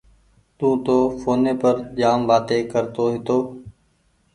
تونٚ تو ڦوني پر جآم وآتي ڪرتو هيتو۔